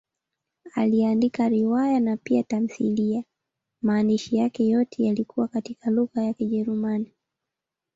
Aliandika riwaya na pia tamthiliya; maandishi yake yote yalikuwa katika lugha ya Kijerumani.